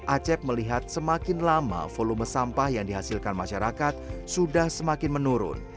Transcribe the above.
acep melihat semakin lama volume sampah yang dihasilkan masyarakat sudah semakin menurun